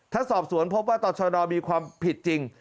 ถ้าสอบสวนพบว่าต่อชนมีความผิดจริง